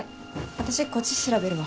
私こっち調べるわ。